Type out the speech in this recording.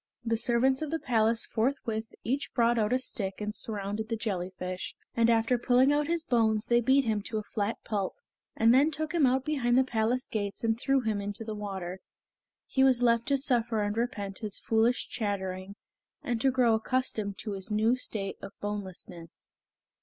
The servants of the palace forthwith each brought out a stick and surrounded the jellyfish, and after pulling out his bones they beat him to a flat pulp, and then took him out beyond the palace gates and threw him into the water. Here he was left to suffer and repent his foolish chattering, and to grow accustomed to his new state of bonelessness.